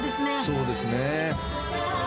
そうですね。